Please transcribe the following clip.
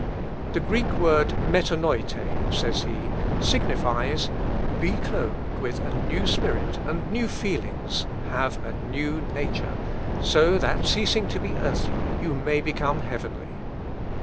"The Greek word μετανοειτε," says he, "signifies be clothed with a new spirit and new feelings; have a new nature; so that, ceasing to be earthly, you may become heavenly....